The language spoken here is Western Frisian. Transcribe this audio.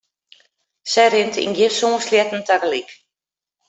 Sy rint yn gjin sân sleatten tagelyk.